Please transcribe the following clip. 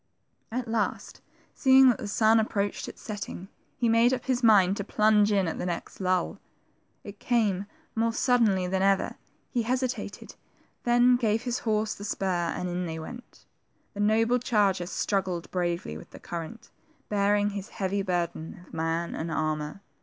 At last, seeing that the sun approached its setting, he made up his mind to plunge in at the next lull. It came, more suddenly than ever ; he hesitated, then gave his horse the spur, and in they went. The noble charger struggled bravely with the current, bearing his heavy burden of man and armor..